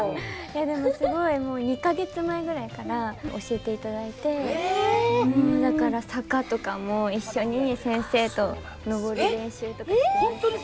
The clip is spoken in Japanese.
すごいもう２か月前ぐらいから教えていただいてもうだから坂とかも一緒に先生と上る練習とかしてました。